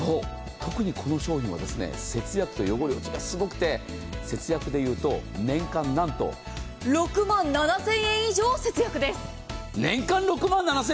特にこの商品は節約と汚れ落ちがすごくで、節約でいうと年間なんと６万７０００円以上節約です。